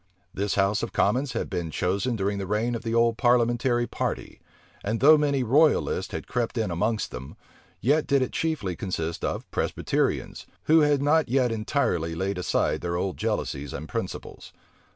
This house of commons had been chosen during the reign of the old parliamentary party; and though many royalists had crept in amongst them, yet did it chiefly consist of Presbyterians, who had not yet entirely laid aside their old jealousies and principles.